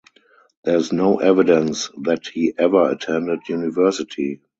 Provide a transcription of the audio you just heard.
There is no evidence that he ever attended university.